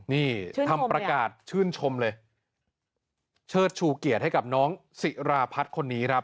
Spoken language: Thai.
นี่ทำประกาศชื่นชมเลยเชิดชูเกียรติให้กับน้องสิราพัฒน์คนนี้ครับ